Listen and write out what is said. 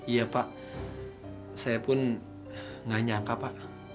iya pak saya pun tidak menyangka pak